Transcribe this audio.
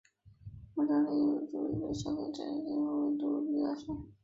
莫礼时一直却致力于把香港教育学院升格为一间独立的大学。